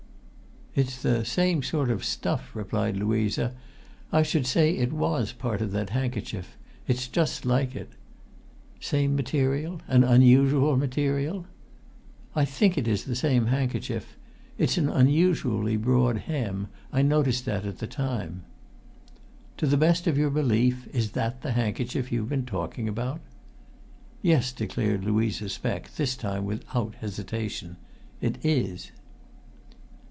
"It's the same sort of stuff," replied Louisa. "I should say it was part of that handkerchief. It's just like it." "Same material? an unusual material?" "I think it is the same handkerchief. It's an unusually broad hem I noticed that at the time." "To the best of your belief is that the handkerchief you've been talking about?" "Yes," declared Louisa Speck, this time without hesitation. "It is!"